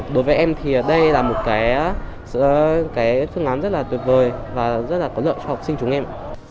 đối với em thì đây là một cái phương án rất là tuyệt vời và rất là có lợi cho học sinh chúng em